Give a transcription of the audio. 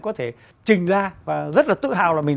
có thể trình ra và rất là tự hào là mình